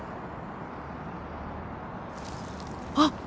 あっ！